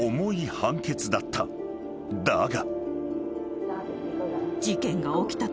［だが］